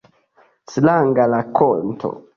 Stranga rakonto.